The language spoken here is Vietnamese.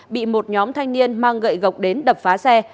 bị một nhóm thanh niên mang gậy gọc đến đập phá xe